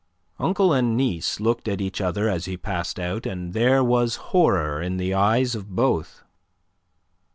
Uncle and niece looked at each other as he passed out, and there was horror in the eyes of both.